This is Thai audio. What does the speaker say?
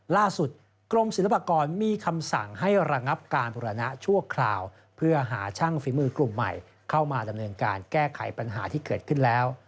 กรมศิลปากรมีคำสั่งให้ระงับการบุรณะชั่วคราวเพื่อหาช่างฝีมือกลุ่มใหม่เข้ามาดำเนินการแก้ไขปัญหาที่เกิดขึ้นแล้ว